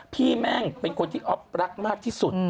แม่งเป็นคนที่อ๊อฟรักมากที่สุด